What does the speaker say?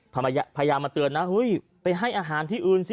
พยายามมาเตือนนะเฮ้ยไปให้อาหารที่อื่นสิ